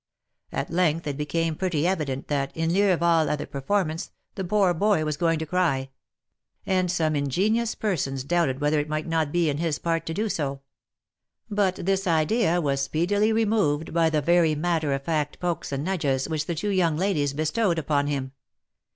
At length it became pretty evident that, in lieu of all other per formance, the poor boy was going to cry ; and some ingenious per sons doubted whether it might not be in his part to do so ; but this idea was speedily removed by the very matter of fact pokes and nudges which the two young ladies bestowed upon him.